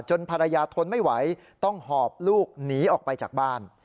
ภรรยาทนไม่ไหวต้องหอบลูกหนีออกไปจากบ้าน